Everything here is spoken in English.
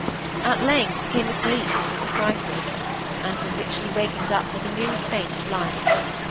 At length came a sleep which was the crisis, and from which she wakened up with a new faint life.